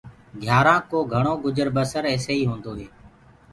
گھيآرآنٚ ڪو گھڻو گُجر بسر ايسي ئي هوندو هي۔